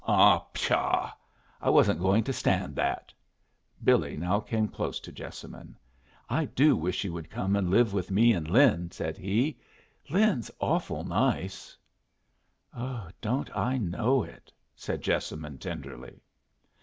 Ah, pshaw! I wasn't going to stand that." Billy now came close to Jessamine. "I do wish you would come and live with me and Lin," said he. "Lin's awful nice." "Don't I know it?" said Jessamine, tenderly.